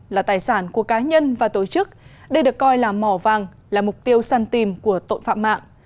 là tài sản của cá nhân và tổ chức đây được coi là mỏ vàng là mục tiêu săn tìm của tội phạm mạng